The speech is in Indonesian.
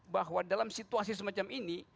bahwa dalam situasi semacam ini